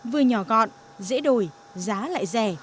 vừa nhỏ gọn dễ đổi giá lại rẻ